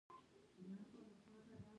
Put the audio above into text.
آزاد تجارت مهم دی ځکه چې ای کامرس پرمختګ کوي.